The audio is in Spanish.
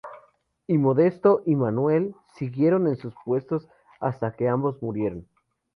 Y Modesto y Manuel siguieron en sus puestos, hasta que ambos murieron.